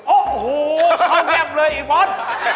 โอ้โฮเขาเก็บเลยอีกบอส